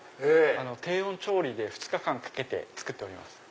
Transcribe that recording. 低温調理で２日間かけて作っております。